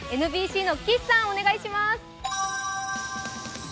ＮＢＣの岸さん、お願いします。